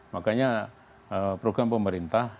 makanya program pemerintah